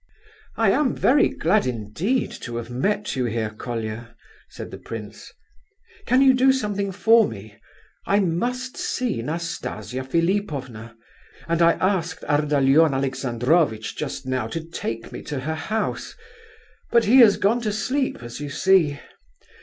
"I am very glad indeed to have met you here, Colia," said the prince. "Can you do something for me? I must see Nastasia Philipovna, and I asked Ardalion Alexandrovitch just now to take me to her house, but he has gone to sleep, as you see.